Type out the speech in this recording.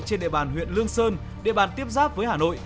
trên địa bàn huyện lương sơn địa bàn tiếp giáp với hà nội